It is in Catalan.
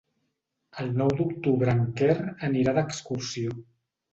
El nou d'octubre en Quer anirà d'excursió.